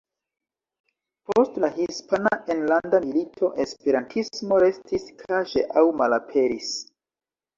Post la Hispana Enlanda Milito, esperantismo restis kaŝe aŭ malaperis.